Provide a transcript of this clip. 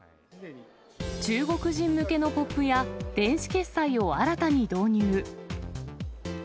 中国人向けのポップや、電子決済を新たに導入。